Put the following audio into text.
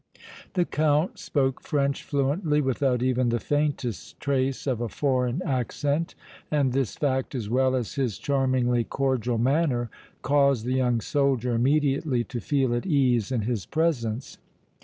The Count spoke French fluently, without even the faintest trace of a foreign accent, and this fact as well as his charmingly cordial manner caused the young soldier immediately to feel at ease in his presence.